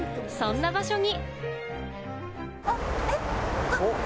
そんな場所に。